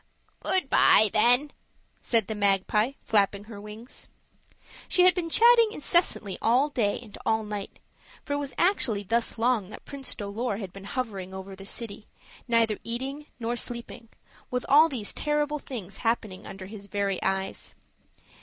"Good by, then," said the magpie, flapping her wings. She had been chatting incessantly all day and all night, for it was actually thus long that Prince Dolor had been hovering over the city, neither eating nor sleeping, with all these terrible things happening under his very eyes.